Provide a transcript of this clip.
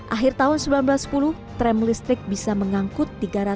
akhir tahun seribu sembilan ratus sepuluh tram listrik bisa mengangkut